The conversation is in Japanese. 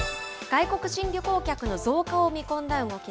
外国人旅行客の増加を見込んだ動